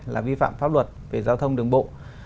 là vi phạm pháp luật về giao thông đường bộ